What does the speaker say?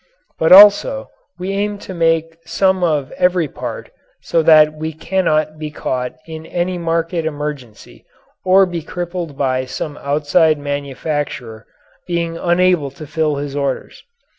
But also we aim to make some of every part so that we cannot be caught in any market emergency or be crippled by some outside manufacturer being unable to fill his orders.